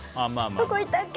どこいったっけ？